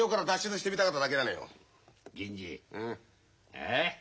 ええ？